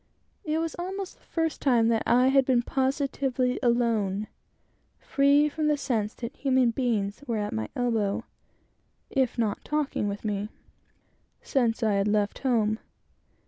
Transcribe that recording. It was almost the first time that I had been positively alone free from the sense that human beings were at my elbow, if not talking with me since I had left home.